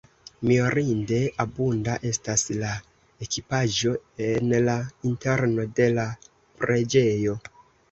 Mirinde abunda estas la ekipaĵo en la interno de la preĝejo.